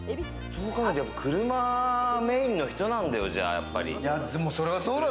車メインの人なんだよ、じゃあやっぱり。